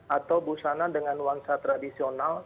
atau busana dengan nuansa tradisional